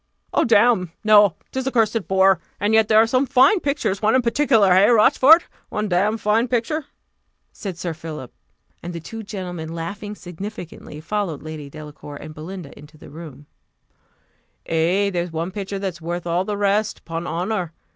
"Oh, damme! no 'tis a cursed bore; and yet there are some fine pictures: one in particular hey, Rochfort? one damned fine picture!" said Sir Philip. And the two gentlemen laughing significantly, followed Lady Delacour and Belinda into the rooms. "Ay, there's one picture that's worth all the rest, 'pon honour!"